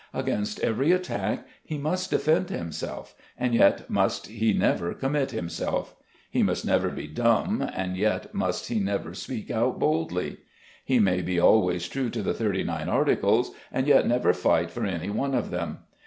Against every attack he must defend himself, and yet must he never commit himself. He must never be dumb, and yet must he never speak out boldly. He must be always true to the Thirty nine Articles, and yet never fight for any one of them.